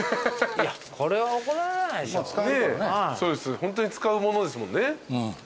ホントに使うものですもんね。